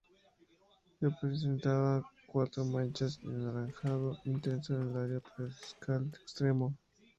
Y presenta cuatro manchas anaranjado intenso en el área postdiscal externo.